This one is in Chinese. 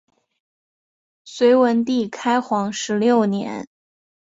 隋文帝开皇十六年。